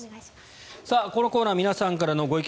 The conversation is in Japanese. このコーナー皆さんからのご意見